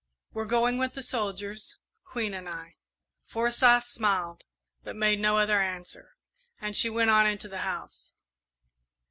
We're going with the soldiers Queen and I." Forsyth smiled, but made no other answer, and she went on into the house.